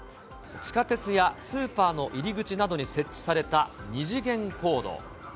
地下鉄やスーパーの入り口などに設置された、二次元コード。